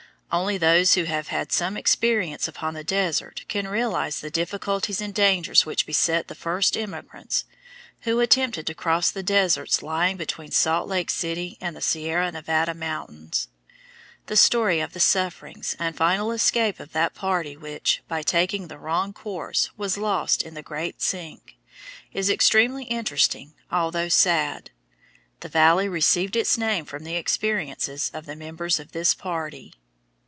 Only those who have had some experience upon the desert can realize the difficulties and dangers which beset the first emigrants who attempted to cross the deserts lying between Salt Lake City and the Sierra Nevada mountains. The story of the sufferings and final escape of that party which, by taking the wrong course, was lost in the great sink, is extremely interesting although sad. The valley received its name from the experiences of the members of this party.